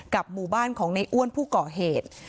หมู่บ้านของในอ้วนผู้ก่อเหตุ